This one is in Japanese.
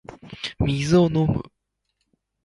水を飲む